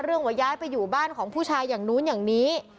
ว่าย้ายไปอยู่บ้านของผู้ชายอย่างนู้นอย่างนี้